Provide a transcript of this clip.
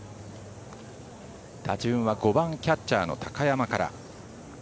打順は５番、キャッチャーの高山から。